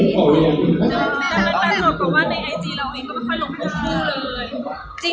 แล้วก็ส่วนความว่าในไอจีเราเองก็ไม่ค่อยลงไปทั้งคู่เลย